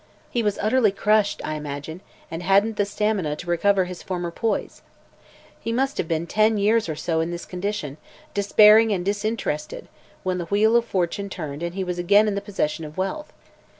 He was utterly crushed, I imagine, and hadn't the stamina to recover his former poise. He must have been ten years or so in this condition, despairing and disinterested, when the wheel of fortune turned and he was again in the possession of wealth.